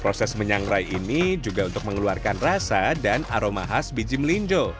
pemanasan di penyelenggaraan juga untuk mengeluarkan rasa dan aroma khas biji melinjo